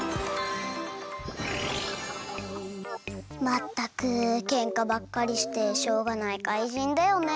まったくケンカばっかりしてしょうがないかいじんだよね。